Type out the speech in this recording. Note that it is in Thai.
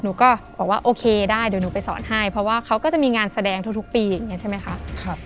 ก็บอกว่าโอเคได้เดี๋ยวหนูไปสอนให้เพราะว่าเขาก็จะมีงานแสดงทุกปีอย่างนี้ใช่ไหมคะ